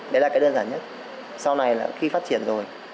đấy là cái đơn giản nhất sau này là khi phát triển rồi